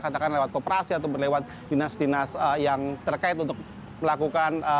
katakan lewat kooperasi atau berlewat dinas dinas yang terkait untuk melakukan